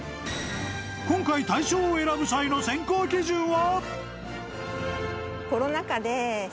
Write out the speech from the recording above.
［今回大賞を選ぶ際の選考基準は？］